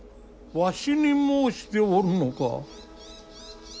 わしに申しておるのか。